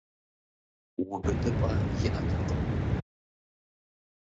УбыдыпӀэ иӀэтэкъым.